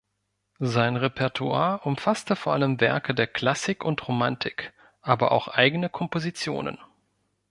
Sein Repertoire umfasste vor allem Werke der Klassik und Romantik, aber auch eigene Kompositionen.